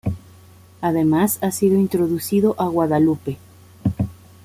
Además, ha sido introducido a Guadalupe.